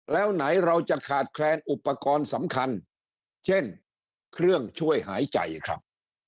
แล้วไหนเราจะขาดแคลนอุปกรณ์สำคัญเช่นเครื่องช่วยหายใจครับ